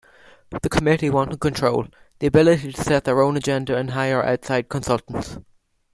The committee wanted control-the ability to set their own agenda and hire outside consultants.